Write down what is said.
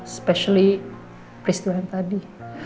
especially peristiwa yang tadi